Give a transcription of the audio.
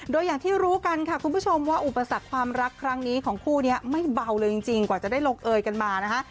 โดยอย่างที่รู้กันค่ะคุณผู้ชมว่าอุปสรรคความรักครั้งนี้ของคู่นี้ไม่เบาเลยจริงกว่าจะได้ลงเอยกันมานะคะ